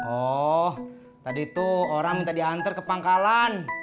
oh tadi itu orang minta diantar ke pangkalan